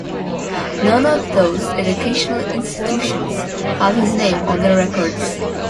None of those educational institutions have his name on their records.